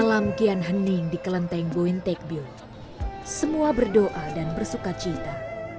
malam kian hening di kelanteng boentekbyul semua berdoa dan bersuka cita